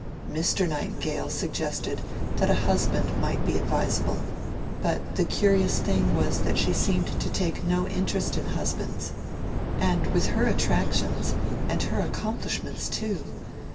Mr. Nightingale suggested that a husband might be advisable; but the curious thing was that she seemed to take no interest in husbands. And with her attractions, and her accomplishments, too!